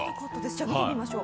じゃ見てみましょう。